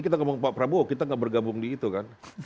kita ngomong pak prabowo kita nggak bergabung di itu kan